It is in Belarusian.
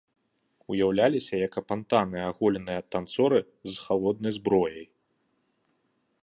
Уяўляліся як апантаныя аголеныя танцоры з халоднай зброяй.